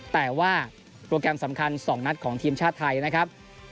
แต่ว่าโปรแกรมสำคัญ๒นัดของทีมชาติไทยนะครับ